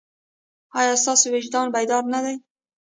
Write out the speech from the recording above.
ایا ستاسو وجدان بیدار نه دی؟